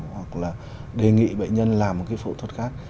hoặc là đề nghị bệnh nhân làm một cái phẫu thuật khác